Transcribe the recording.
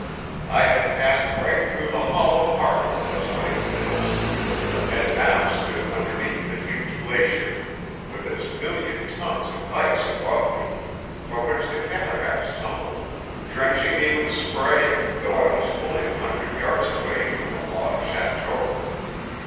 I had passed right through the hollow heart of those mighty hills and now stood underneath the huge glacier, with its million tons of ice above me, from which the cataracts tumbled, drenching me with spray, though I was fully a hundred yards away from the log château.